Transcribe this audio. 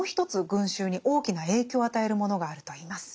群衆に大きな影響を与えるものがあるといいます。